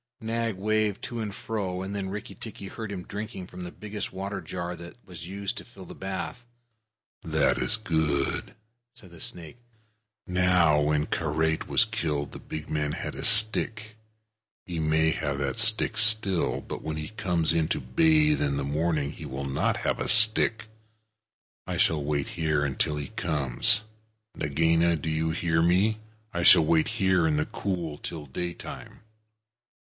Nag waved to and fro, and then Rikki tikki heard him drinking from the biggest water jar that was used to fill the bath. "That is good," said the snake. "Now, when Karait was killed, the big man had a stick. He may have that stick still, but when he comes in to bathe in the morning he will not have a stick. I shall wait here till he comes. Nagaina do you hear me? I shall wait here in the cool till daytime."